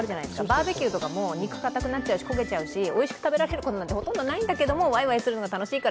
バーベキューとかも、肉、かたくなっちゃうし、焦げちゃうしおいしく食べられることってほとんどないんだけど、わいわい食べたいと。